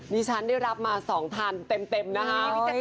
นี่ฉันได้รับมา๒ทานเต็มนะครับ